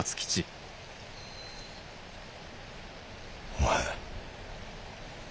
お前。